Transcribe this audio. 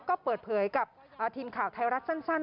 ก็เปิดเผยกับทีมข่าวไทยรัฐสั้น